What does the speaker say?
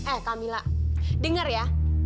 eh kak mila dengar ya